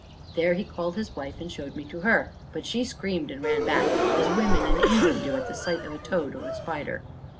There he called his wife, and showed me to her; but she screamed and ran back, as women in England do at the sight of a toad or a spider.